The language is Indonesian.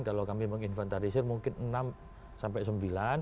kalau kami menginventarisir mungkin enam sampai sembilan